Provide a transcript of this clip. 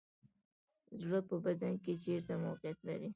زړه په بدن کې چیرته موقعیت لري